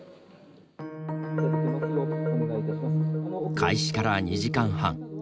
開始から２時間半。